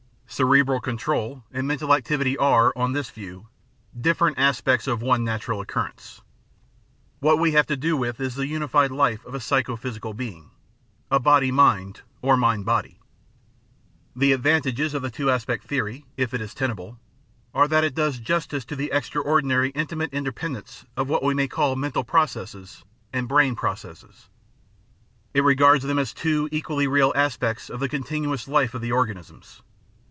Cerebral control and mental activity are, on this view, differ ent aspects of one natural occurrence. What we have to do with is the imified life of a psycho physical being, a body mind or mind body. The advantages of the two aspect theory, if it is tenable, are that it does justice to the extra ordinary intimate interdependence of what we may call "mental processes" and "brain processes." It regards them as two equally real aspects of the continuous life of the organisms.